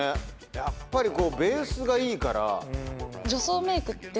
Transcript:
やっぱりベースがいいから。